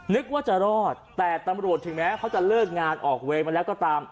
นึกว่าจะรอดแต่ตำรวจถึงแม้เขาจะเลิกงานออกเวรมาแล้วก็ตาม